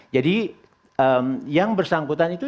jadi yang bersangkutan itu